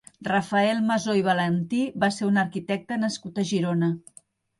Rafael Masó i Valentí va ser un arquitecte nascut a Girona.